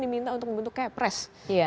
diminta untuk membentuk kayak pres